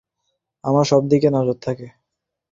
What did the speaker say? আমার সবদিকে নজর থাকে।